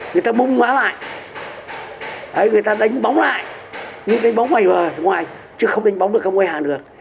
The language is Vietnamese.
người ta bùng hóa lại người ta đánh bóng lại nhưng đánh bóng ở ngoài chứ không đánh bóng được các môi hàn được